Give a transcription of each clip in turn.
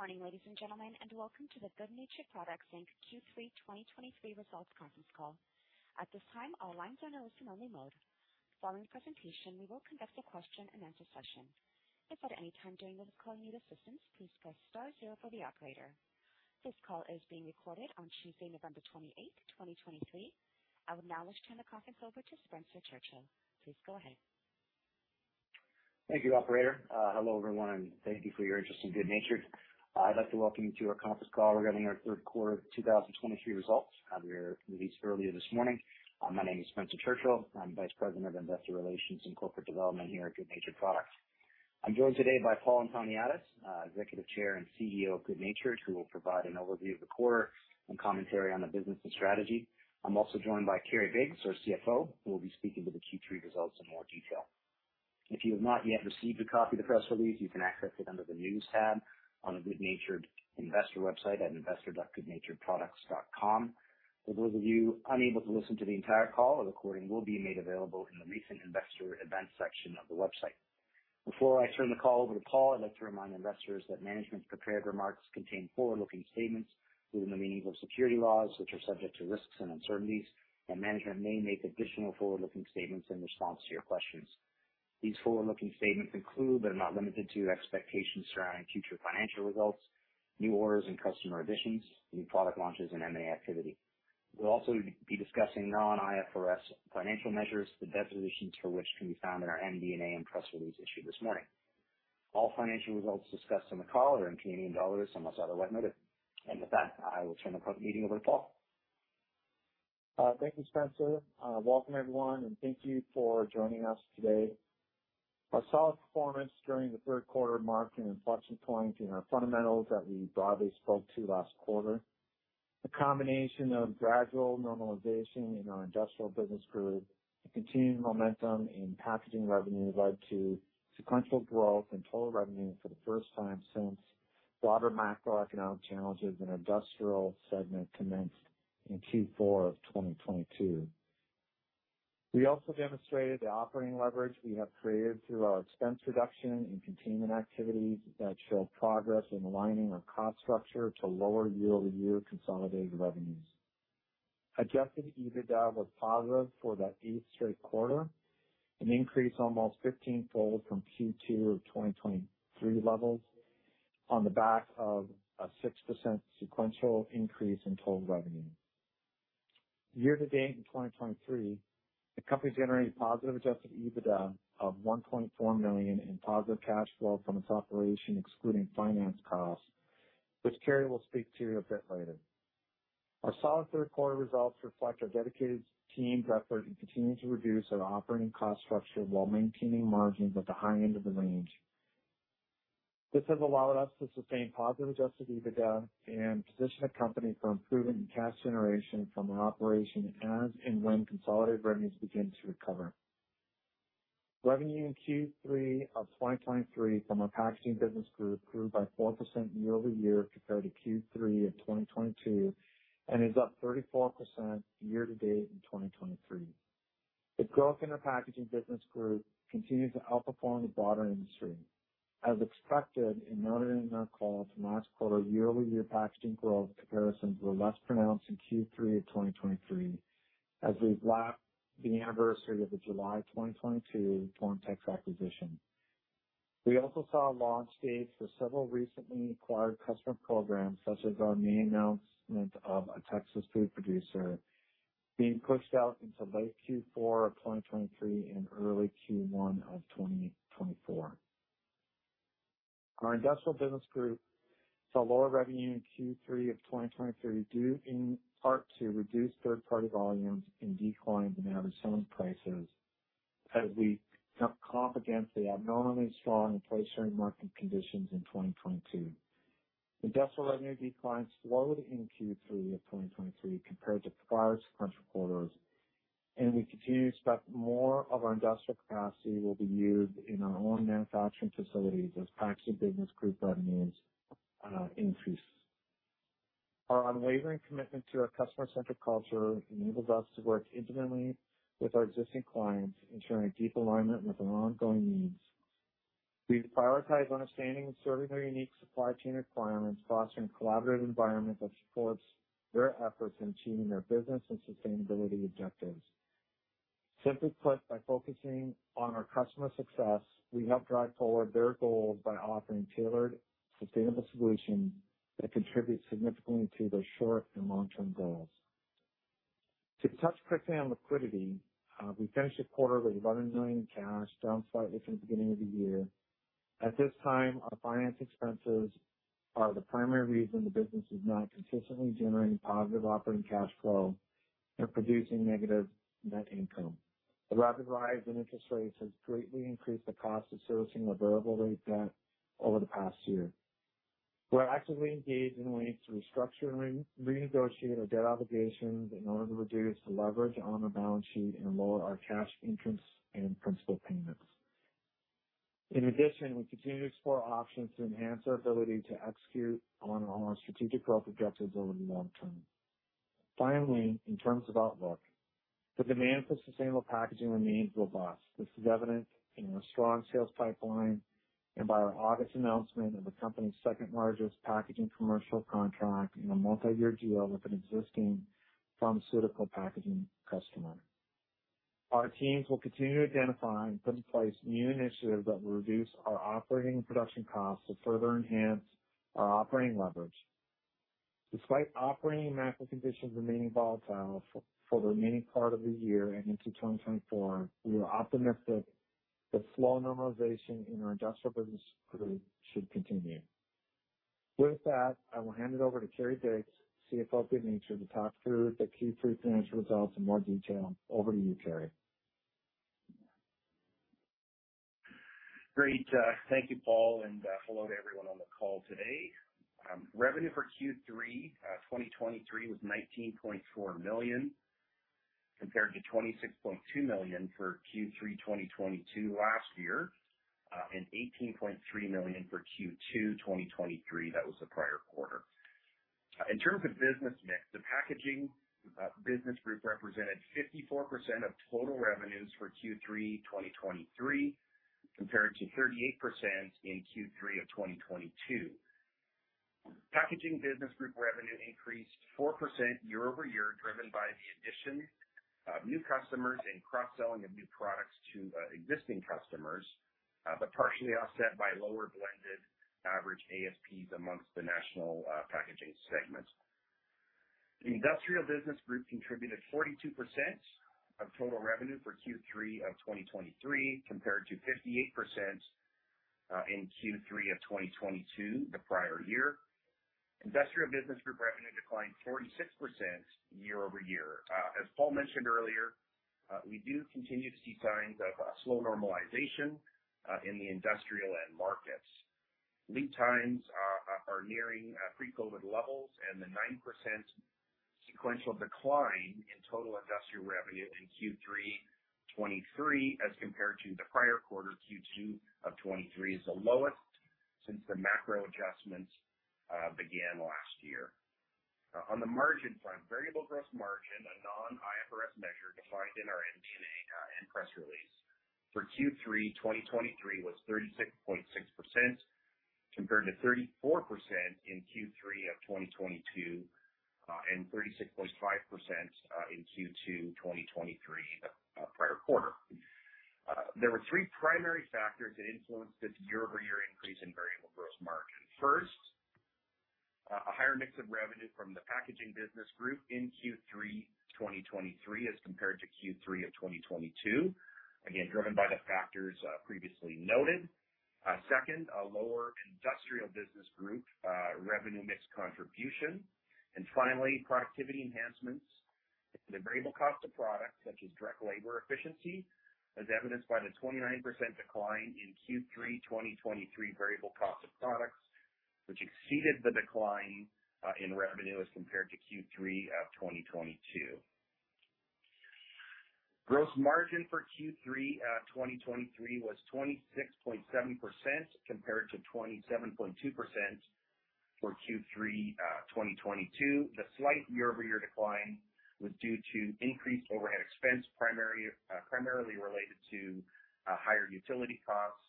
Morning, ladies and gentlemen, and welcome to the good natured Products Inc.'s Q3 2023 Results Conference Call. At this time, all lines are in a listen-only mode. Following the presentation, we will conduct a question-and-answer session. If at any time during this call you need assistance, please press star zero for the operator. This call is being recorded on Tuesday, November 28th, 2023. I would now like to turn the conference over to Spencer Churchill. Please go ahead. Thank you, operator. Hello, everyone, and thank you for your interest in good natured. I'd like to welcome you to our conference call regarding our third quarter of 2023 results, were released earlier this morning. My name is Spencer Churchill. I'm Vice President of Investor Relations and Corporate Development here at good natured Products. I'm joined today by Paul Antoniadis, Executive Chair and CEO of good natured, who will provide an overview of the quarter and commentary on the business and strategy. I'm also joined by Kerry Biggs, our CFO, who will be speaking to the Q3 results in more detail. If you have not yet received a copy of the press release, you can access it under the News tab on the good natured Investor website at investor.goodnaturedproducts.com. For those of you unable to listen to the entire call, a recording will be made available in the Recent Investor Events section of the website. Before I turn the call over to Paul, I'd like to remind investors that management's prepared remarks contain forward-looking statements within the meaning of security laws, which are subject to risks and uncertainties, and management may make additional forward-looking statements in response to your questions. These forward-looking statements include, but are not limited to, expectations surrounding future financial results, new orders and customer additions, new product launches, and M&A activity. We'll also be discussing non-IFRS financial measures, the definitions for which can be found in our MD&A and press release issued this morning. All financial results discussed in the call are in Canadian dollars, unless otherwise noted. With that, I will turn the meeting over to Paul. Thank you, Spencer. Welcome, everyone, and thank you for joining us today. Our solid performance during the third quarter marked an inflection point in our fundamentals that we broadly spoke to last quarter. The combination of gradual normalization in our Industrial Business Group and continued momentum in packaging revenue led to sequential growth in total revenue for the first time since broader macroeconomic challenges and industrial segment commenced in Q4 of 2022. We also demonstrated the operating leverage we have created through our expense reduction and containment activities that show progress in aligning our cost structure to lower year-over-year consolidated revenues. Adjusted EBITDA was positive for the eighth straight quarter, an increase almost 15-fold from Q2 of 2023 levels on the back of a 6% sequential increase in total revenue. Year to date, in 2023, the company is generating positive Adjusted EBITDA of 1.4 million in positive cash flow from its operation, excluding finance costs, which Kerry will speak to a bit later. Our solid third quarter results reflect our dedicated team's effort in continuing to reduce our operating cost structure while maintaining margins at the high end of the range. This has allowed us to sustain positive Adjusted EBITDA and position the company for improving cash generation from our operation as and when consolidated revenues begin to recover. Revenue in Q3 of 2023 from our Packaging Business Group grew by 4% year-over-year compared to Q3 of 2022, and is up 34% year to date in 2023. The growth in our Packaging Business Group continues to outperform the broader industry. As expected and noted in our call from last quarter, year-over-year packaging growth comparisons were less pronounced in Q3 of 2023 as we lacked the anniversary of the July 2022 FormTex acquisition. We also saw launch dates for several recently acquired customer programs, such as our May announcement of a Texas food producer being pushed out into late Q4 of 2023 and early Q1 of 2024. Our Industrial Business Group saw lower revenue in Q3 of 2023, due in part to reduced third-party volumes and declines in average selling prices as we comp against the abnormally strong pricing market conditions in 2022. Industrial revenue declines slowed in Q3 of 2023 compared to prior sequential quarters, and we continue to expect more of our industrial capacity will be used in our own manufacturing facilities as Packaging Business Group revenues increase. Our unwavering commitment to our customer-centric culture enables us to work intimately with our existing clients, ensuring deep alignment with their ongoing needs. We prioritize understanding and serving their unique supply chain requirements, fostering a collaborative environment that supports their efforts in achieving their business and sustainability objectives. Simply put, by focusing on our customer success, we help drive forward their goals by offering tailored, sustainable solutions that contribute significantly to their short and long-term goals. To touch quickly on liquidity, we finished the quarter with 11 million in cash, down slightly from the beginning of the year. At this time, our finance expenses are the primary reason the business is not consistently generating positive operating cash flow and producing negative net income. The rapid rise in interest rates has greatly increased the cost of servicing the variable rate debt over the past year. We're actively engaged in ways to restructure and renegotiate our debt obligations in order to reduce the leverage on the balance sheet and lower our cash interest and principal payments. In addition, we continue to explore options to enhance our ability to execute on our strategic growth objectives over the long term.... Finally, in terms of outlook, the demand for sustainable packaging remains robust. This is evident in our strong sales pipeline and by our August announcement of the company's second largest packaging commercial contract in a multi-year deal with an existing pharmaceutical packaging customer. Our teams will continue to identify and put in place new initiatives that will reduce our operating and production costs to further enhance our operating leverage. Despite operating and macro conditions remaining volatile for the remaining part of the year and into 2024, we are optimistic that slow normalization in our Industrial Business Group should continue. With that, I will hand it over to Kerry Biggs, CFO of good natured, to talk through the Q3 financial results in more detail. Over to you, Kerry. Great. Thank you, Paul, and hello to everyone on the call today. Revenue for Q3 2023 was 19.4 million, compared to 26.2 million for Q3 2022 last year, and 18.3 million for Q2 2023. That was the prior quarter. In terms of business mix, the Packaging Business Group represented 54% of total revenues for Q3 2023, compared to 38% in Q3 of 2022. Packaging Business Group revenue increased 4% year-over-year, driven by the addition of new customers and cross-selling of new products to existing customers, but partially offset by lower blended average ASPs amongst the national packaging segments. The Industrial Business Group contributed 42% of total revenue for Q3 of 2023, compared to 58% in Q3 of 2022, the prior year. Industrial Business Group revenue declined 46% year-over-year. As Paul mentioned earlier, we do continue to see signs of a slow normalization in the industrial end markets. Lead times are nearing pre-COVID levels, and the 9% sequential decline in total industrial revenue in Q3 2023, as compared to the prior quarter, Q2 of 2023, is the lowest since the macro adjustments began last year. On the margin front, Variable Gross Margin, a non-IFRS measure defined in our MD&A, and press release for Q3 2023 was 36.6%, compared to 34% in Q3 of 2022, and 36.5% in Q2 2023, the prior quarter. There were three primary factors that influenced this year-over-year increase in Variable Gross Margin. First, a higher mix of revenue from the Packaging Business Group in Q3 2023 as compared to Q3 of 2022, again, driven by the factors previously noted. Second, a lower Industrial Business Group revenue mix contribution. Finally, productivity enhancements to the variable cost of products, such as direct labor efficiency, as evidenced by the 29% decline in Q3 2023 variable cost of products, which exceeded the decline in revenue as compared to Q3 of 2022. Gross margin for Q3 2023 was 26.7%, compared to 27.2% for Q3 2022. The slight year-over-year decline was due to increased overhead expense, primarily related to higher utility costs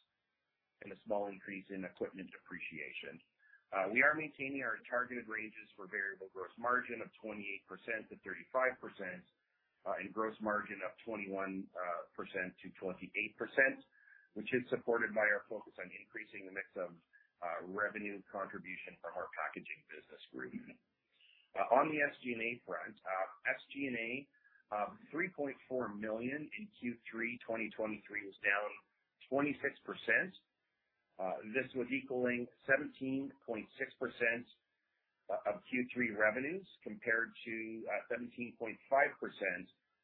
and a small increase in equipment depreciation. We are maintaining our targeted ranges for variable gross margin of 28%-35% and gross margin of 21%-28%, which is supported by our focus on increasing the mix of revenue contribution from our Packaging Business Group. On the SG&A front, SG&A, 3.4 million in Q3 2023 is down 26%. This was equaling 17.6% of Q3 revenues, compared to 17.5%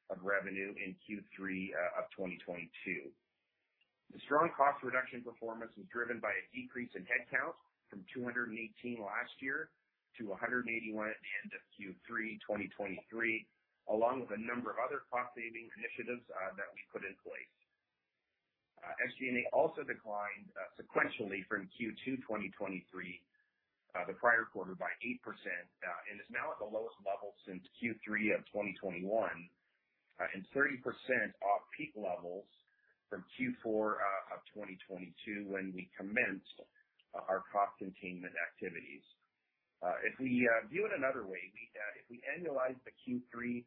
of revenue in Q3 of 2022. The strong cost reduction performance was driven by a decrease in headcount from 218 last year to 181 at the end of Q3 2023, along with a number of other cost-saving initiatives that we put in place. SG&A also declined sequentially from Q2 2023, the prior quarter by 8%, and is now at the lowest level since Q3 of 2021, and 30% off peak levels from Q4 of 2022, when we commenced our cost containment activities. If we view it another way, if we annualize the Q3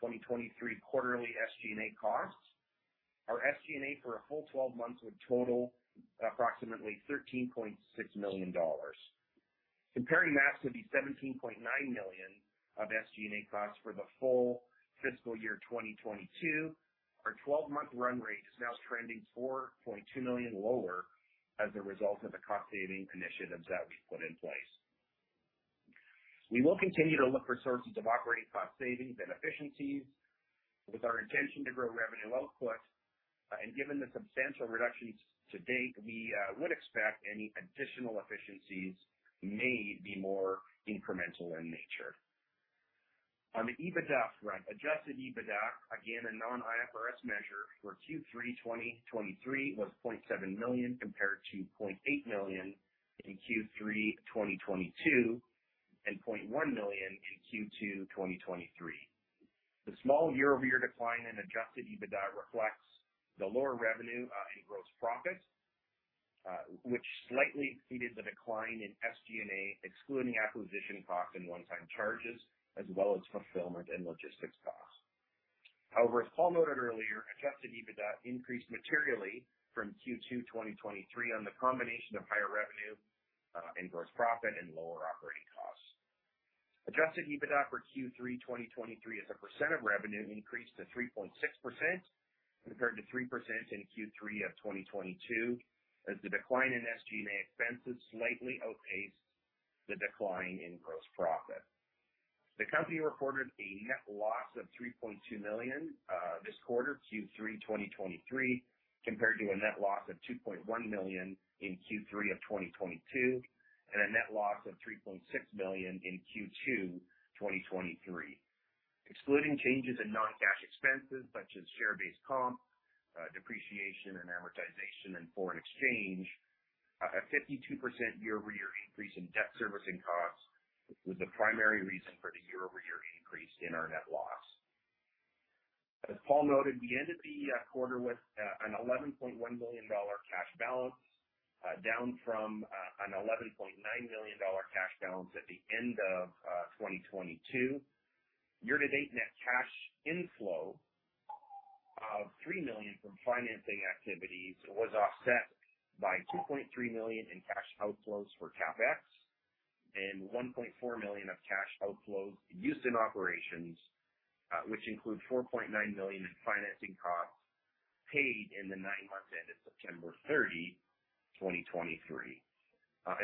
2023 quarterly SG&A costs, our SG&A for a full 12 months would total approximately 13.6 million dollars. Comparing that to the 17.9 million of SG&A costs for the full fiscal year 2022, our 12-month run rate is now trending 4.2 million lower as a result of the cost-saving initiatives that we've put in place. We will continue to look for sources of operating cost savings and efficiencies with our intention to grow revenue well outpace, and given the substantial reductions to date, we would expect any additional efficiencies may be more incremental in nature. On the EBITDA front, Adjusted EBITDA, again, a non-IFRS measure for Q3 2023, was 0.7 million compared to 0.8 million in Q3 2022, and 0.1 million in Q2 2023. The small year-over-year decline in Adjusted EBITDA reflects the lower revenue in gross profit, which slightly exceeded the decline in SG&A, excluding acquisition costs and one-time charges, as well as fulfillment and logistics costs. However, as Paul noted earlier, Adjusted EBITDA increased materially from Q2 2023 on the combination of higher revenue and gross profit and lower operating costs. Adjusted EBITDA for Q3 2023 as a percent of revenue increased to 3.6%, compared to 3% in Q3 2022, as the decline in SG&A expenses slightly outpaced the decline in gross profit. The company recorded a net loss of 3.2 million this quarter, Q3 2023, compared to a net loss of 2.1 million in Q3 of 2022, and a net loss of 3.6 million in Q2 2023. Excluding changes in non-cash expenses such as share-based comp, depreciation and amortization and foreign exchange, a 52% year-over-year increase in debt servicing costs was the primary reason for the year-over-year increase in our net loss. As Paul noted, the end of the quarter was an 11.1 million dollar cash balance, down from an 11.9 million dollar cash balance at the end of 2022. Year-to-date net cash inflow of 3 million from financing activities was offset by 2.3 million in cash outflows for CapEx and 1.4 million of cash outflows used in operations, which include 4.9 million in financing costs paid in the nine months ended September 30, 2023.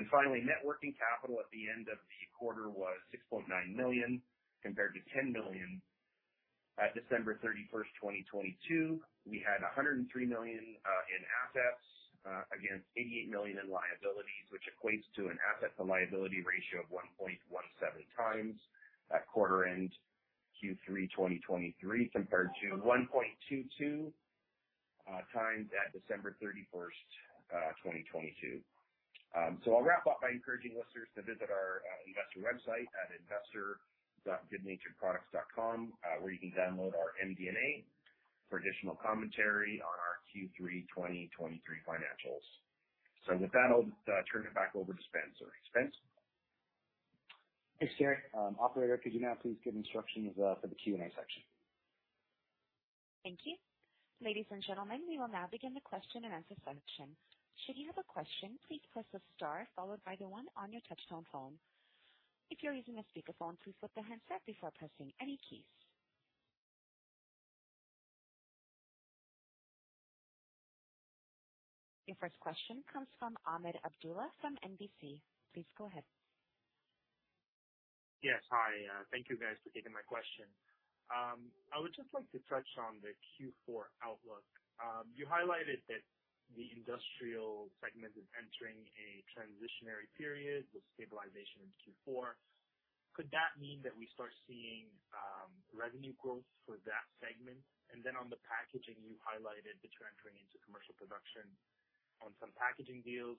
And finally, net working capital at the end of the quarter was 6.9 million, compared to 10 million at December 31, 2022. We had 103 million in assets against 88 million in liabilities, which equates to an asset to liability ratio of 1.17 times at quarter end Q3 2023, compared to 1.22 times at December 31, 2022. So I'll wrap up by encouraging listeners to visit our investor website at investor.goodnaturedproducts.com, where you can download our MD&A for additional commentary on our Q3 2023 financials. So with that, I'll turn it back over to Spencer. Spencer? Thanks, Kerry. Operator, could you now please give instructions for the Q&A section? Thank you. Ladies and gentlemen, we will now begin the question and answer section. Should you have a question, please press the star followed by the one on your touchtone phone. If you're using a speakerphone, please flip the handset before pressing any keys. Your first question comes from Ahmed Abdullah from NBC. Please go ahead. Yes. Hi. Thank you, guys, for taking my question. I would just like to touch on the Q4 outlook. You highlighted that the industrial segment is entering a transitional period with stabilization in Q4. Could that mean that we start seeing revenue growth for that segment? And then on the packaging, you highlighted that you're entering into commercial production on some packaging deals.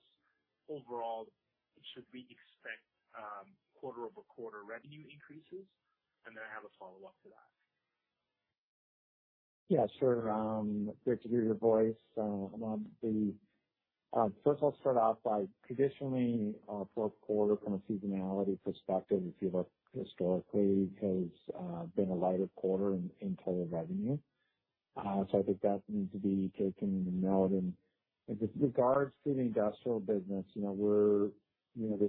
Overall, should we expect quarter-over-quarter revenue increases? And then I have a follow-up to that. Yeah, sure. Great to hear your voice, Ahmed. First I'll start off by traditionally, fourth quarter from a seasonality perspective, if you look historically, has been a lighter quarter in total revenue. So I think that needs to be taken into note. And with regards to the industrial business, you know, we're, you know, the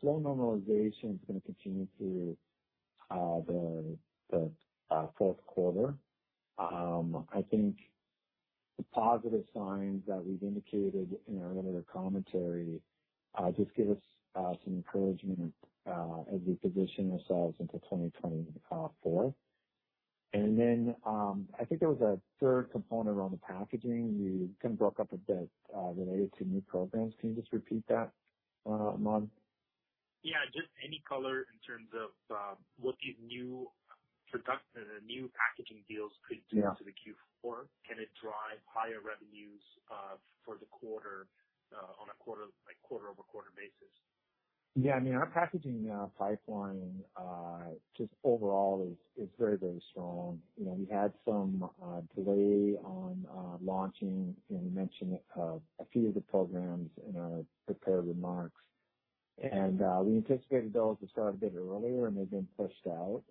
slow normalization is gonna continue through the fourth quarter. I think the positive signs that we've indicated in our earlier commentary just give us some encouragement as we position ourselves into 2024. And then, I think there was a third component around the packaging. You kind of broke up a bit related to new programs. Can you just repeat that, Ahmed? Yeah, just any color in terms of what these new product and new packaging deals could do- Yeah. to the Q4. Can it drive higher revenues for the quarter on a quarter, like, quarter-over-quarter basis? Yeah, I mean, our packaging pipeline just overall is very, very strong. You know, we had some delay on launching, and we mentioned a few of the programs in our prepared remarks. And we anticipated those to start a bit earlier, and they've been pushed out.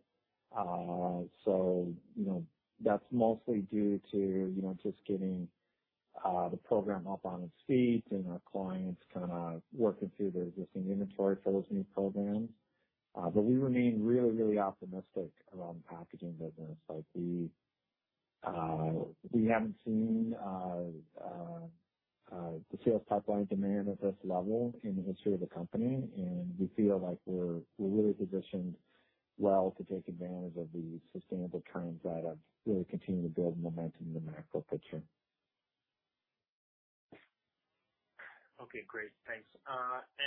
So, you know, that's mostly due to, you know, just getting the program up on its feet and our clients kind of working through their existing inventory for those new programs. But we remain really, really optimistic around the packaging business. Like we haven't seen the sales pipeline demand at this level in the history of the company, and we feel like we're really positioned well to take advantage of the sustainable trends that have really continued to build momentum in the macro picture. Okay, great. Thanks.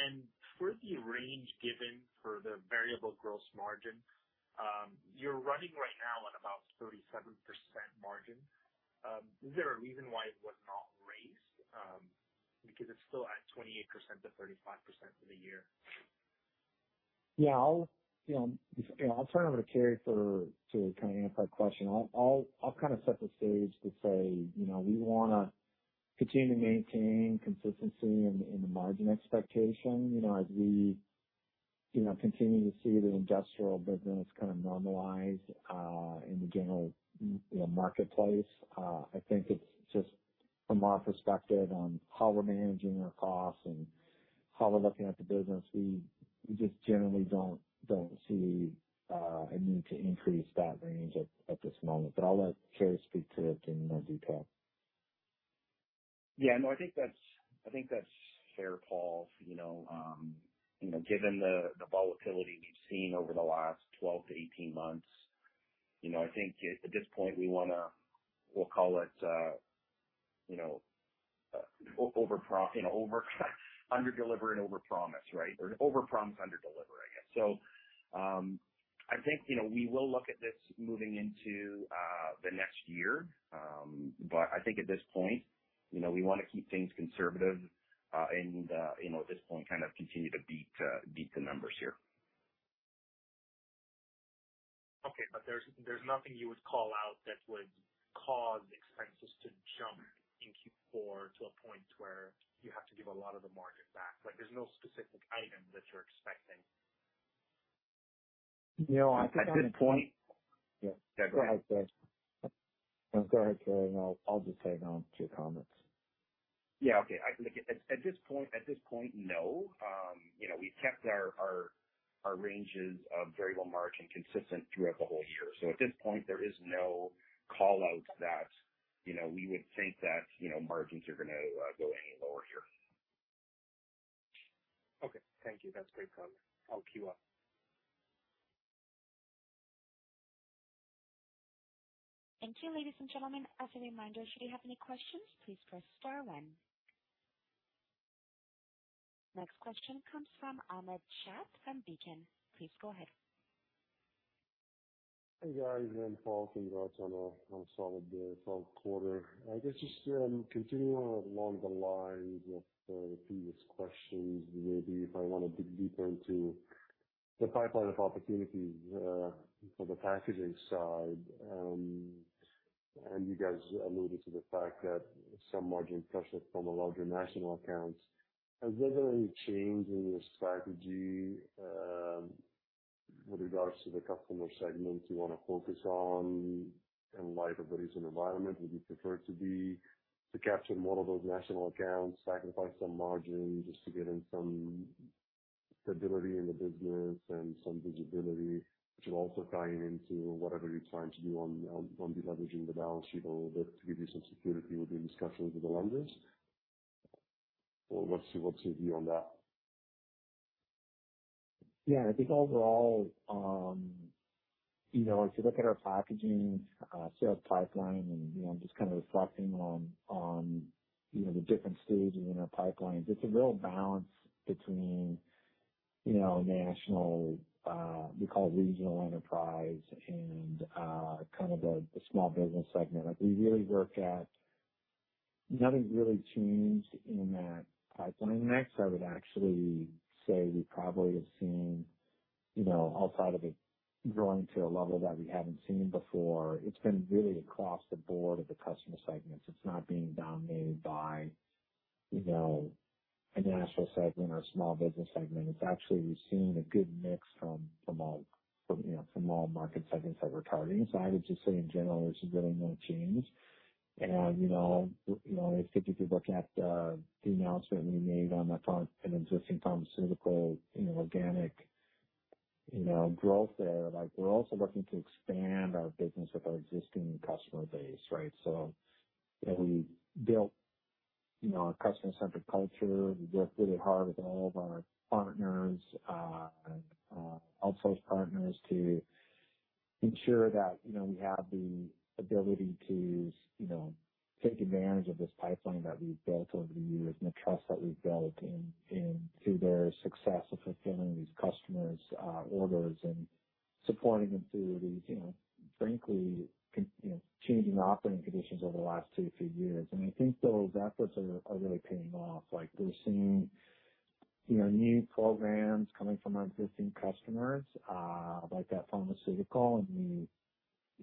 And for the range given for the Variable Gross Margin, you're running right now at about 37% margin. Is there a reason why it was not raised? Because it's still at 28%-35% for the year. Yeah, you know, I'll turn it over to Kerry to kind of answer that question. I'll kind of set the stage to say, you know, we wanna continue to maintain consistency in the margin expectation. You know, as we continue to see the industrial business kind of normalize in the general marketplace. I think it's just from our perspective on how we're managing our costs and how we're looking at the business, we just generally don't see a need to increase that range at this moment. But I'll let Kerry speak to it in more detail. Yeah, no, I think that's, I think that's fair, Paul. You know, given the volatility we've seen over the last 12-18 months, you know, I think at this point, we wanna, we'll call it, you know, overpromise under deliver and overpromise, right? Or overpromise, under deliver, I guess. So, I think, you know, we will look at this moving into the next year. But I think at this point, you know, we wanna keep things conservative, and, you know, at this point, kind of continue to beat the numbers here. Okay. But there's nothing you would call out that would cause expenses to jump in Q4 to a point where you have to give a lot of the margin back. Like, there's no specific item that you're expecting. You know, I think- At this point- Yeah, go ahead. Go ahead, Kerry. I'll, I'll just tag on to your comments. Yeah. Okay. I think at this point, no. You know, we've kept our ranges of variable margin consistent throughout the whole year. So at this point, there is no callout that, you know, we would think that, you know, margins are gonna go any lower here. Okay. Thank you. That's great color. I'll queue up. Thank you, ladies and gentlemen. As a reminder, should you have any questions, please press star one. Next question comes from Ahmad Shaath from Beacon. Please go ahead. Hey, guys. Hi Paul. Congrats on a solid quarter. I guess just continuing along the lines of the previous questions, maybe if I want to dig deeper into the pipeline of opportunities for the packaging side. And you guys alluded to the fact that some margin pressure from the larger national accounts. Has there been any change in your strategy with regards to the customer segment you wanna focus on in light of the recent environment? Would you prefer to capture more of those national accounts, sacrifice some margin just to get in some stability in the business and some visibility, which is also tying into whatever you're trying to do on deleveraging the balance sheet a little bit to give you some security with the discussions with the lenders? Or what's your view on that? Yeah, I think overall, you know, if you look at our packaging sales pipeline and, you know, just kind of reflecting on, you know, the different stages in our pipelines, it's a real balance between, you know, national, we call it regional enterprise and, kind of the small business segment. Like, we really work at... Nothing really changed in that pipeline mix. I would actually say we probably have seen, you know, all part of it growing to a level that we haven't seen before. It's been really across the board of the customer segments. It's not being dominated by, you know, a national segment or a small business segment. It's actually we've seen a good mix from all, you know, from all market segments that we're targeting. So I would just say in general, there's really no change. You know, you know, if you're looking at the announcement we made on an existing pharmaceutical, you know, organic, you know, growth there, like, we're also working to expand our business with our existing customer base, right? So, you know, we built, you know, a customer-centric culture. We work really hard with all of our partners, outsource partners, to ensure that, you know, we have the ability to, you know, take advantage of this pipeline that we've built over the years and the trust that we've built in through their success of fulfilling these customers' orders and supporting them through these, you know, frankly, changing operating conditions over the last 2-3 years. I think those efforts are really paying off. Like, we're seeing, you know, new programs coming from our existing customers, like that pharmaceutical and the...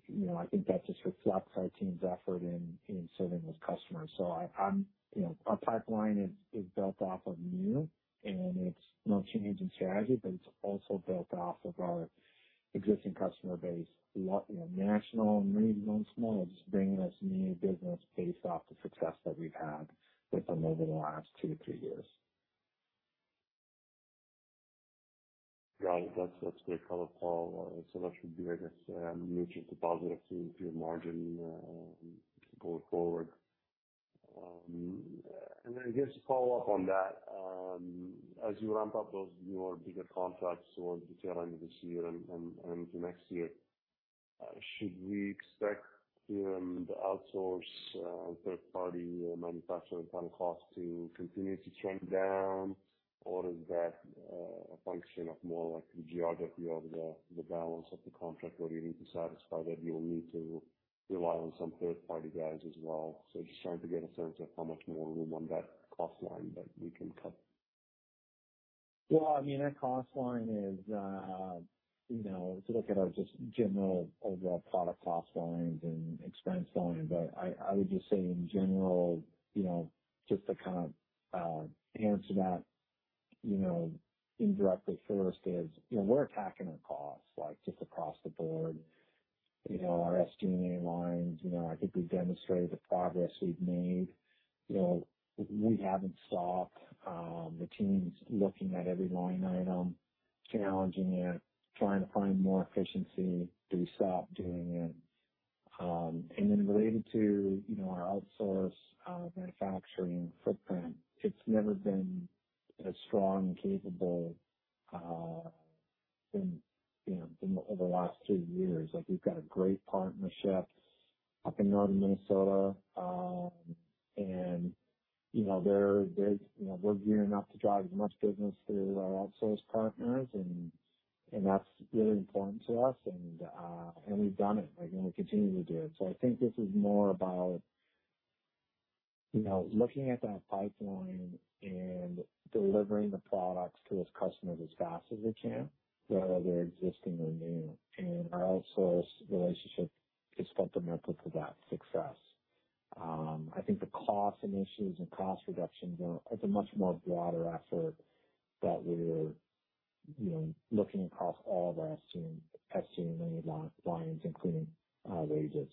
You know, I think that just reflects our team's effort in serving those customers. So I'm, you know, our pipeline is built off of new and it's no change in strategy, but it's also built off of our existing customer base, you know, national and really small, just bringing us new business based off the success that we've had with them over the last two to three years. Got it. That's, that's great color, Paul. So that should be, I guess, neutral to positive to, to your margin, going forward. And then just to follow up on that, as you ramp up those more bigger contracts towards the tail end of this year and, and, and to next year, should we expect, the outsource, third-party manufacturing time cost to continue to trend down? Or is that, a function of more like the geography of the, the balance of the contract, or do you need to satisfy that you'll need to rely on some third party guys as well? So just trying to get a sense of how much more room on that cost line that we can cut. Well, I mean, that cost line is, you know, to look at our just general overall product cost lines and expense lines. But I would just say in general, you know, just to kind of answer that, you know, indirectly first is, you know, we're attacking our costs, like, just across the board. You know, our SG&A lines, you know, I think we've demonstrated the progress we've made. You know, we haven't stopped. The team's looking at every line item, challenging it, trying to find more efficiency. Do we stop doing it? And then related to, you know, our outsource manufacturing footprint, it's never been as strong and capable than, you know, over the last two years. Like, we've got a great partnership up in northern Minnesota. You know, we're gearing up to drive as much business through our outsource partners, and, and that's really important to us. And, and we've done it, like, and we'll continue to do it. So I think this is more about, you know, looking at that pipeline and delivering the products to those customers as fast as we can, whether they're existing or new. And our outsource relationship is complementary to that success. I think the cost initiatives and cost reductions are—it's a much more broader effort that we're, you know, looking across all of our SG&A, SG&A lines, including wages.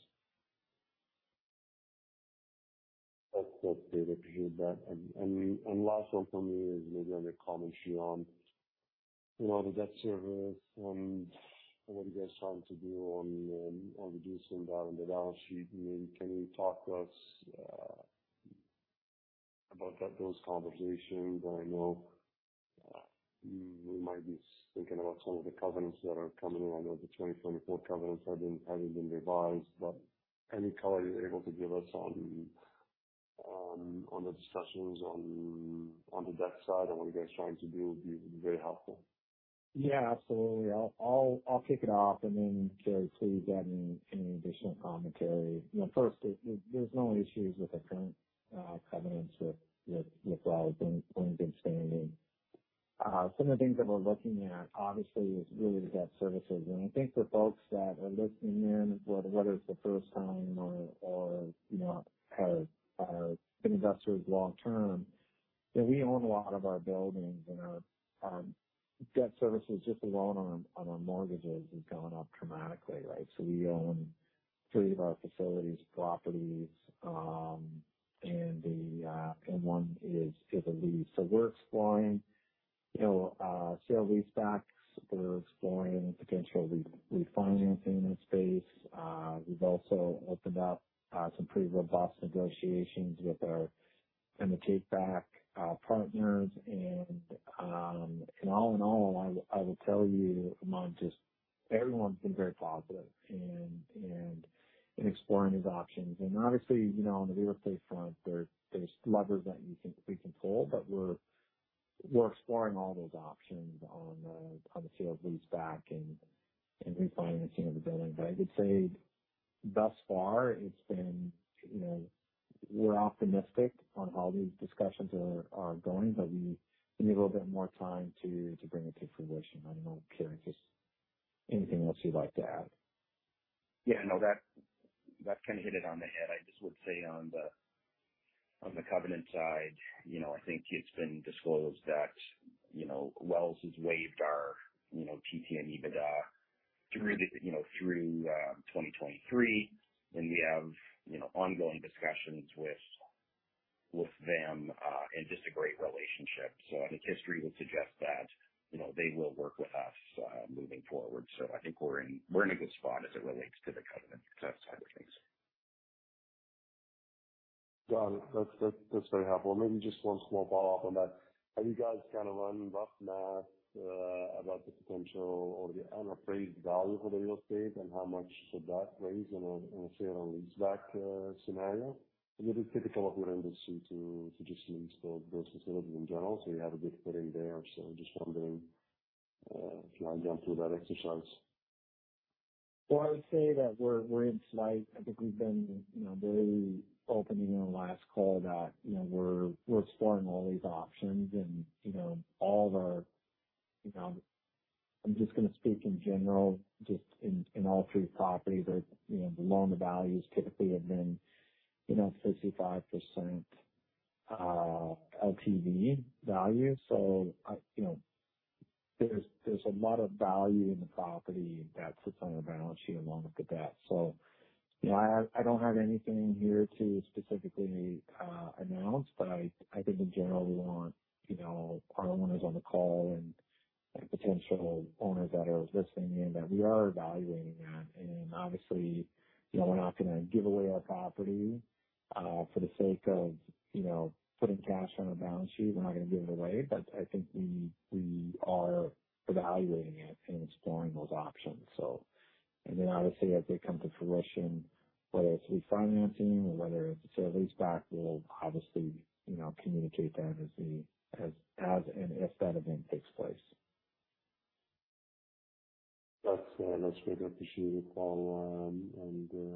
That's great. Appreciate that. And last one from me is maybe on a comment on, you know, the debt service and what you guys trying to do on reducing down the balance sheet. I mean, can you talk to us about that, those conversations? I know you might be thinking about some of the covenants that are coming, and I know the 2024 covenants haven't been revised, but any color you're able to give us on the discussions on the debt side and what you guys trying to do would be very helpful. Yeah, absolutely. I'll kick it off, and then, Kerry, please add any additional commentary. You know, first, there's no issues with the current covenants with Wells being good standing. Some of the things that we're looking at, obviously, is really the debt services. And I think for folks that are listening in, whether it's the first time or you know have been investors long term, that we own a lot of our buildings and our debt services, just alone on our mortgages, has gone up dramatically, right? So we own three of our facilities, properties, and one is a lease. So we're exploring, you know, sale leasebacks. We're exploring potential refinancing in this space. We've also opened up some pretty robust negotiations with our mortgage back partners. And all in all, I will tell you, Ahmad, just everyone's been very positive and in exploring these options, and obviously, you know, on the real estate front, there's levers that you can, we can pull, but we're exploring all those options on the sale-leaseback and refinancing of the building. But I would say thus far it's been... You know, we're optimistic on how these discussions are going, but we need a little bit more time to bring it to fruition. I don't know, Kerry, just anything else you'd like to add? Yeah, no, that, that kind of hit it on the head. I just would say on the, on the covenant side, you know, I think it's been disclosed that, you know, Wells has waived our, you know, TTM EBITDA through the, you know, through 2023. And we have, you know, ongoing discussions with, with them, and just a great relationship. So I think history would suggest that, you know, they will work with us moving forward. So I think we're in, we're in a good spot as it relates to the covenant type of things. Got it. That's, that's, that's very helpful. Maybe just one small follow-up on that. Have you guys kind of run rough math about the potential or the appraised value for the real estate and how much would that raise in a sale and leaseback scenario? It is typical of your industry to just lease those facilities in general, so you have a good footing there. So I'm just wondering if you have gone through that exercise. Well, I would say that we're in slight... I think we've been, you know, very open in our last call that, you know, we're exploring all these options and, you know, all of our... You know, I'm just gonna speak in general, just in all three properties, or, you know, the loan values typically have been, you know, 55%, LTV value. So I... You know, there's a lot of value in the property that sits on our balance sheet along with the debt. So, you know, I don't have anything here to specifically announce, but I think in general, we want, you know, our owners on the call and potential owners that are listening in, that we are evaluating that. Obviously, you know, we're not gonna give away our property for the sake of, you know, putting cash on our balance sheet. We're not gonna give it away, but I think we are evaluating it and exploring those options. And then obviously, as they come to fruition, whether it's refinancing or whether it's a sale-leaseback, we'll obviously, you know, communicate that as and if that event takes place. That's great. Appreciate it, Paul.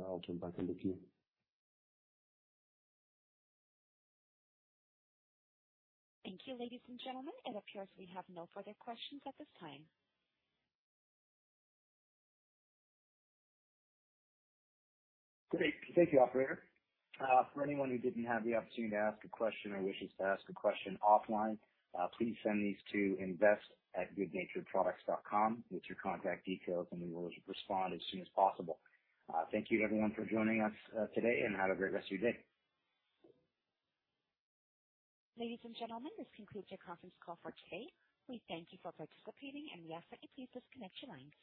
I'll turn it back over to you. Thank you, ladies and gentlemen. It appears we have no further questions at this time. Great. Thank you, operator. For anyone who didn't have the opportunity to ask a question or wishes to ask a question offline, please send these to invest@goodnaturedproducts.com with your contact details, and we will respond as soon as possible. Thank you, everyone, for joining us today, and have a great rest of your day. Ladies and gentlemen, this concludes your conference call for today. We thank you for participating and we ask that you please disconnect your lines.